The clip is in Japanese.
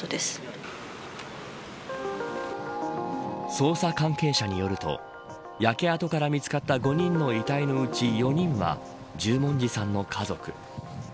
捜査関係者によると焼け跡から見つかった５人の遺体のうち４人は十文字さんの家族。